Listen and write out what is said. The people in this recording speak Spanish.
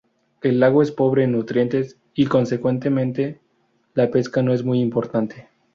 El lago es pobre en nutrientes, y consecuentemente la pesca no es muy importante.